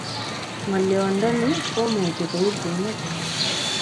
Ngolyondoni komuchi koib bunet